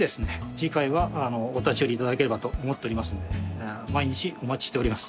次回はお立ち寄りいただければと思っておりますので毎日お待ちしております。